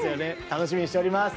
楽しみにしております。